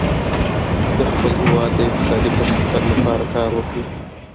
د خپل هیواد د اقتصادي پرمختګ لپاره کار وکړئ.